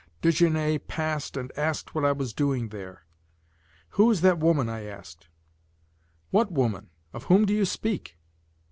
Desgenais passed and asked what I was doing there. "Who is that woman?" I asked. "What woman? Of whom do you speak?"